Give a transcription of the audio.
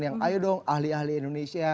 yang ayo dong ahli ahli indonesia